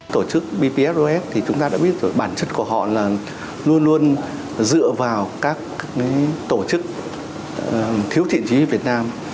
tổ chức bpsos chúng ta đã biết bản chất của họ là luôn luôn dựa vào các tổ chức thiếu thiện trí việt nam